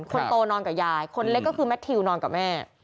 คนโตนอนกับยายคนเล็กก็คือแมททิวนอนกับแม่